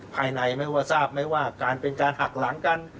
ภายในไม่ว่าทราบไหมว่าการเป็นการหักหลังกัน